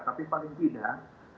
tapi paling tidak